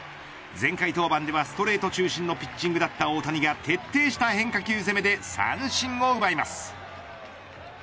前回登板ではストレート中心のピッチングだった大谷が徹底した変化球攻めで三振を奪います。